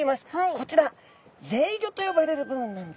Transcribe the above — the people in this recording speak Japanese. こちらぜいごと呼ばれる部分なんですね